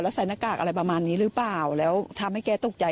แล้วใส่หน้ากากอะไรประมาณนี้หรือเปล่าแล้วทำให้แกตกใจ